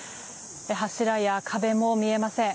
柱や壁も見えません。